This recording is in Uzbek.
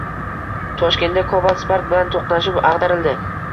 Toshkentda Cobalt Spark bilan to‘qnashib ag‘darildi